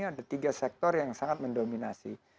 ada tiga sektor yang sangat mendominasi